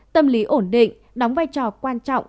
tâm lý ổn định đóng vai trò quan trọng